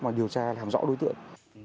mà điều tra làm rõ đối tượng